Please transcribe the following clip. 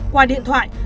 qua điện thoại